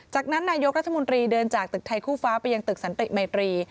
จากนั้นนายกรัฐมนตรีเดินจากตึกไทยคู่ฟ้าไปยังตึกสันติมัยตรี